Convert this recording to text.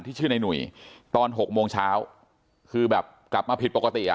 ชื่อในหนุ่ยตอนหกโมงเช้าคือแบบกลับมาผิดปกติอ่ะ